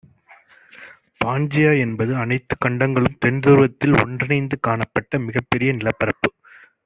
பான்ஜியா என்பது அனைத்துக் கண்டங்களும் தென்துருவத்தில் ஒன்றிணைந்து காணப்பட்ட மிகப்பெரிய நிலப்பரப்பு